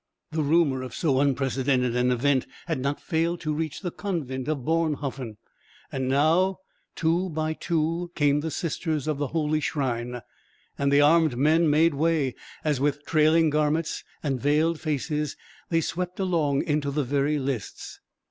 The rumour of so unprecedented an event had not failed to reach the convent of Bornhofen; and now, two by two, came the sisters of the holy shrine, and the armed men made way, as with trailing garments and veiled faces they swept along into the very lists.